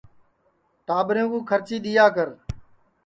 ٹاٻریں کُو کھرچی دؔیا کر